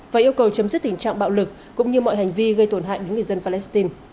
và yêu cầu chấm dứt tình trạng bạo lực cũng như mọi hành vi gây tổn hại đến người dân palestine